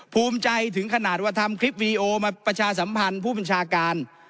ภูมิใจถึงขนาดว่าทำคลิปวีดีโอมาประชาสัมพันธ์ผู้บัญชาการ